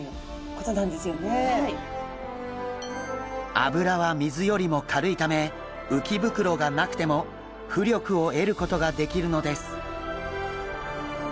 脂は水よりも軽いため鰾がなくても浮力を得ることができるのです。